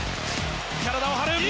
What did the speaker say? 体を張る！